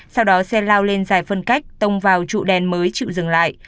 sau đó xe lao lên dài phân cách tông vào trụ đèn mới chịu dừng lại